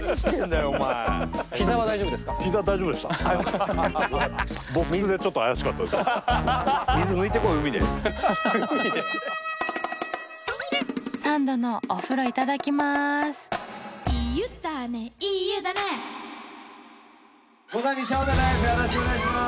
よろしくお願いします！